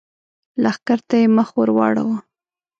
لښکر ته يې مخ ور واړاوه!